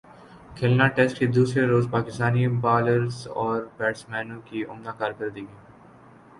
کھلنا test کے دوسرے روز پاکستانی بالرزاور بیٹسمینوں کی عمدہ کارکردگی